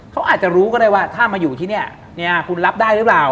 เขาอาจจะรู้ก็ได้ว่าถ้ามาอยู่ที่เนี่ยคุณรับได้หรือเปล่า